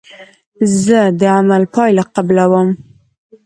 زه د عمل پایله قبلوم.